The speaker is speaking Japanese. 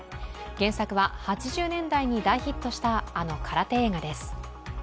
原作は８０年代に大ヒットしたあの空手映画です。